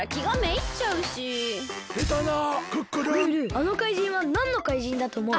あのかいじんはなんのかいじんだとおもう？